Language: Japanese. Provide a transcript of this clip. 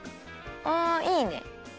あいいね！